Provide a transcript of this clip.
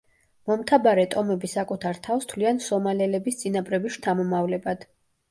მომთაბარე ტომები საკუთარ თავს თვლიან სომალელების წინაპრების შთამომავლებად.